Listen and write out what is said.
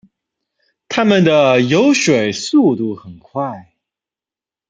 它们的游水速度很快。